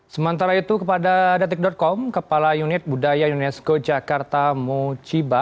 sementara itu kepada detik com kepala unit budaya unesco jakarta muchiba